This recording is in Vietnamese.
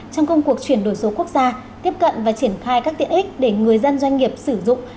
trong công cuộc chuyển đổi số quốc gia tiếp cận và triển khai các tiện ích để người dân doanh nghiệp sử dụng